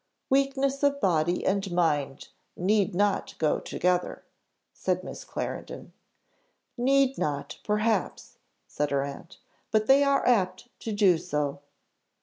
"Weakness of body and mind need not go together," said Miss Clarendon. "Need not, perhaps," said her aunt, "but they are apt to do so."